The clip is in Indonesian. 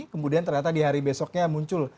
kemudian ternyata di hari besoknya muncul